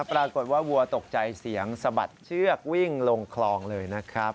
ปรากฏว่าวัวตกใจเสียงสะบัดเชือกวิ่งลงคลองเลยนะครับ